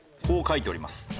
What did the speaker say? こう書いております。